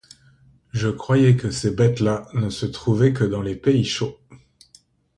Je croyais que ces bêtes-là ne se trouvaient que dans les pays chauds?